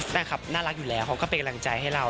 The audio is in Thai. ได้ครับน่ารักอยู่แล้วเขาก็เป็นกำลังใจให้เรา